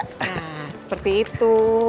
nah seperti itu